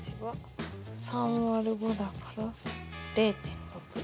３÷５だから０．６。